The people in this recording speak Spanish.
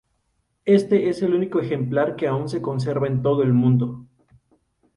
Este es el único ejemplar que aún se conserva en todo el mundo.